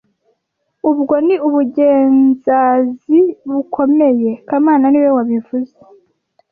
Ubwo ni ubugenzazibukomeye kamana niwe wabivuze